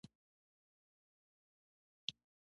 ښوونځی زموږ ذهن تیاروي